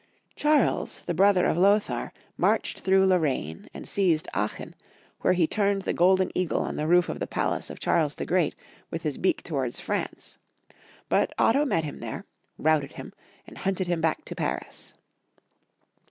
Charles, the brother of Lothar, marched through Lorraine and seized Aachen, where he turned the golden eagle on the roof of the palace of Charles the great with his beak towards France ; but Otto met him there, routed him, and hunted him back to Paris.